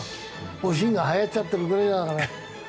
『おしん』がはやっちゃってるぐらいだから。